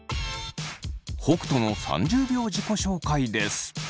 北斗の３０秒自己紹介です。